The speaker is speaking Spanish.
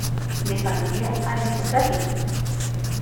De familia aristocrática.